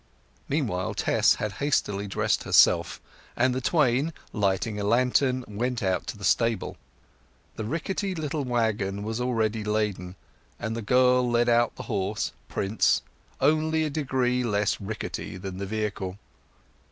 Meanwhile Tess had hastily dressed herself; and the twain, lighting a lantern, went out to the stable. The rickety little waggon was already laden, and the girl led out the horse, Prince, only a degree less rickety than the vehicle.